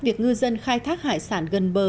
việc ngư dân khai thác hải sản gần bờ